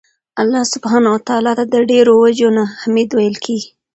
الله سبحانه وتعالی ته د ډيرو وَجُو نه حــمید ویل کیږي